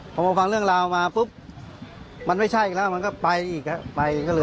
พอมาฟังเรื่องราวมาปุ๊บมันไม่ใช่ละมันก็ไปอีกครับ